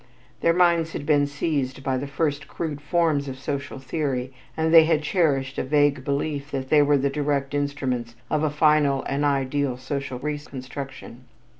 Their minds had been seized by the first crude forms of social theory and they had cherished a vague belief that they were the direct instruments of a final and ideal social reconstruction.